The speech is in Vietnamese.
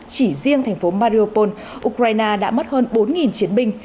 chỉ riêng thành phố mariopol ukraine đã mất hơn bốn chiến binh